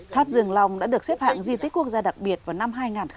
tháp dương long đã được xếp hạng di tích quốc gia đặc biệt vào năm hai nghìn một mươi